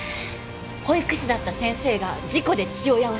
保育士だった先生が事故で父親を死なせた。